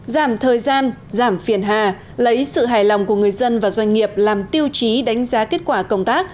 giảm thời gian giảm phiền hà lấy sự hài lòng của người dân và doanh nghiệp làm tiêu chí đánh giá kết quả công tác